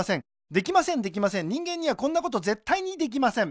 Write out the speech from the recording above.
できませんできません人間にはこんなことぜったいにできません